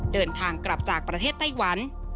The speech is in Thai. เดินทางกลับจากประเทศไต้หวัน